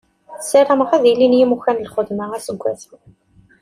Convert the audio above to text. Ssarameɣ ad ilin yimukan n lxedma aseggas-a.